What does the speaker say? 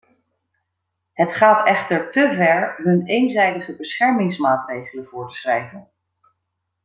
Het gaat echter te ver hun eenzijdige beschermingsmaatregelen voor te schrijven.